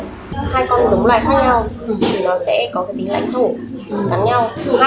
thì con này với con này là cùng một loại